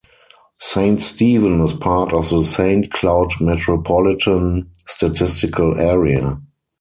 Saint Stephen is part of the Saint Cloud Metropolitan Statistical Area.